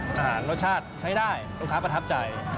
อาหารรสชาติใช้ได้ลูกค้าประทับใจ